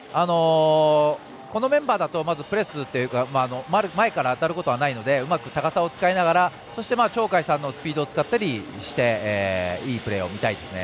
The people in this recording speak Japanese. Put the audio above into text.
このメンバーだとプレスするっていうか前から当たることはないのでうまく高さを使いながら鳥海さんのスピードを使ったりしていいプレーを見たいですね。